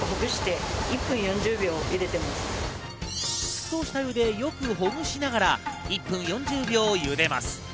沸騰したお湯でよくほぐしながら１分４０秒茹でます。